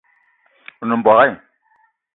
O nem mbogue